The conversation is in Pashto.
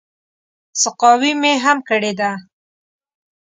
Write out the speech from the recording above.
سقاوي مې هم کړې ده.